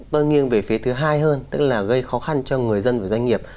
tôi nghiêng về phía thứ hai hơn tức là gây khó khăn cho người dân và doanh nghiệp